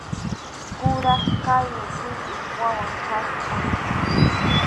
Kuraq kaq ritʼip wawan kasqa.